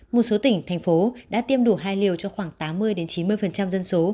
một số tỉnh thành phố đã tiêm đủ hai liều cho khoảng tám mươi chín mươi dân số